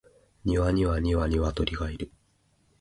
庭には二羽鶏がいる